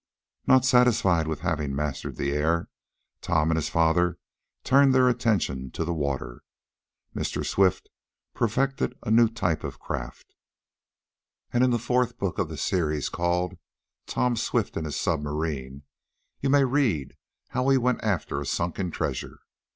Not satisfied with having mastered the air Tom and his father turned their attention to the water. Mr. Swift perfected a new type of craft, and in the fourth book of the series, called "Tom Swift and His Submarine," you may read how he went after a sunken treasure.